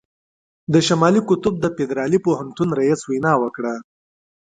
د شمالي قطب د فدرالي پوهنتون رييس وینا وکړه.